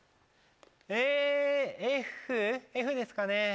えＦＦですかね。